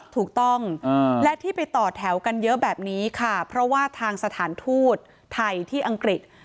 ถูกต้องและที่ไปต่อแถวกันเยอะแบบนี้ค่ะเพราะว่าทางสถานทูตไทยที่อังกฤษ